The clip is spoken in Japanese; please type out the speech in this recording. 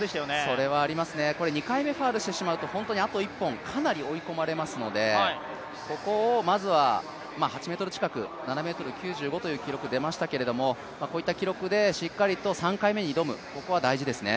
それはあります、２回目ファウルしてしまうと、あと１本かなり追い込まれますので、ここをまずは８ｍ近く７ｍ９５という記録が出ましたけどもこういった記録でしっかりと３回目に挑むことは大事ですね。